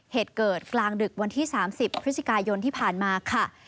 เหตุเกิดกลางดึกวันที่๓๐พฤศจิกายนที่ผ่านมาค่ะ